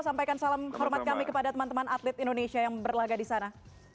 sampaikan salam hormat kami kepada teman teman atlet indonesia yang berlaga di sana